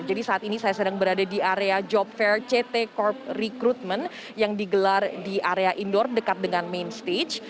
jadi saat ini saya sedang berada di area job fair ct corp recruitment yang digelar di area indoor dekat dengan main stage